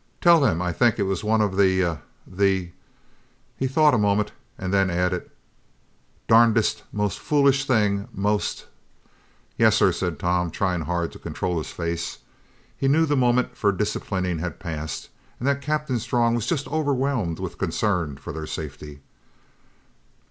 "Tell them I think it was one of the the " he thought a moment and then added, "darndest, most foolish things most " "Yes, sir," said Tom, trying hard to control his face. He knew the moment for disciplining had passed, and that Captain Strong was just overwhelmed with concern for their safety.